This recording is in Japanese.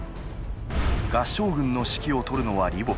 合従軍の指揮を執るのは李牧。